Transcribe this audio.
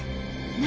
何？